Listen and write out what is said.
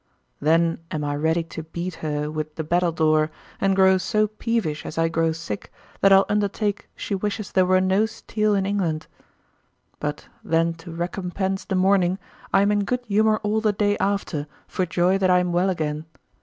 Then am I ready to beat her with the battledore, and grow so peevish as I grow sick, that I'll undertake she wishes there were no steel in England. But then to recompense the morning, I am in good humour all the day after for joy that I am well again.